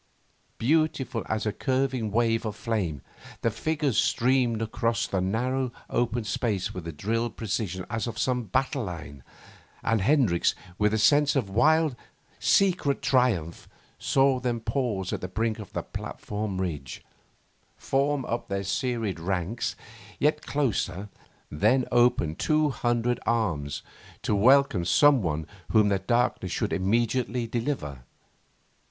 Beautiful as a curving wave of flame, the figures streamed across the narrow, open space with a drilled precision as of some battle line, and Hendricks, with a sense of wild, secret triumph, saw them pause at the brink of the platformed ridge, form up their serried ranks yet closer, then open two hundred arms to welcome some one whom the darkness should immediately deliver.